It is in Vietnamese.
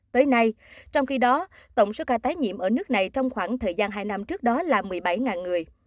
tới nay trong khi đó tổng số ca tái nhiễm ở nước này trong khoảng thời gian hai năm trước đó là một mươi bảy người